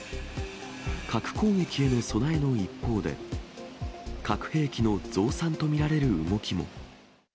核攻撃への備えの一方で、核兵器の増産と見られる動きも。